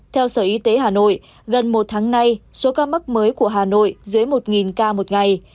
theo sở y tế hà nội gần một tháng nay số ca mắc mới của hà nội dưới một ca một ngày